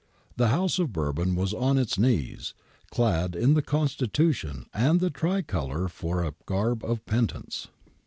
The House of Bourbon was on its knees, clad in the Constitution and the Tricolour for a garb of penitence.